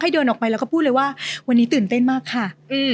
เดินออกไปแล้วก็พูดเลยว่าวันนี้ตื่นเต้นมากค่ะ